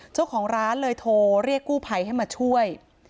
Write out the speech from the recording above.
เจ้าของร้านเลยโทรเรียกกู้ภัยให้มาช่วย